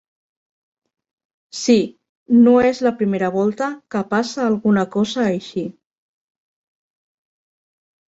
Sí, no és la primera volta que passa alguna cosa així.